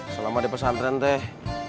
selama di pesantren teh